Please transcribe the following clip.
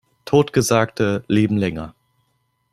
Totgesagte leben länger.